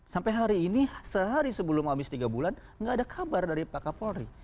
sampai hari ini sehari sebelum habis tiga bulan nggak ada kabar dari pak kapolri